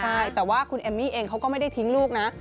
ใช่แต่ว่าคุณเอมมี่เองเขาก็ไม่ได้ทิ้งลูกนะ